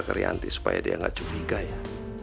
ke rianti supaya dia gak cubi gaya